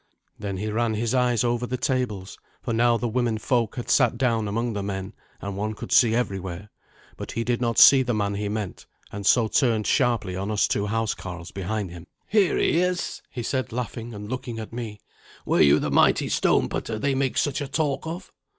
Then he ran his eyes over the tables, for now the women folk had sat down among the men, and one could see everywhere. But he did not see the man he meant, and so turned sharply on us two housecarls behind him. "Here he is," he said, laughing and looking at me. "Were you the mighty stone putter they make such a talk of?"